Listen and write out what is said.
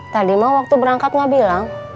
tadi ma waktu berangkat ma bilang